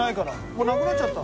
もうなくなっちゃった。